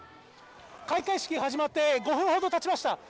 開会式始まって５分ほどたちました。